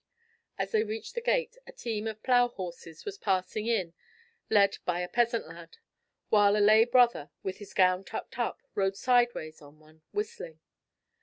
As they reached the gate, a team of plough horses was passing in led by a peasant lad, while a lay brother, with his gown tucked up, rode sideways on one, whistling.